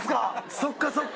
そっかそっか。